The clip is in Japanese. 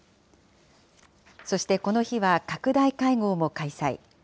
そしてこの日は拡大会合も開催。